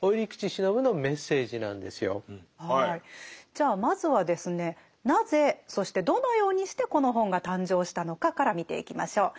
じゃあまずはですねなぜそしてどのようにしてこの本が誕生したのかから見ていきましょう。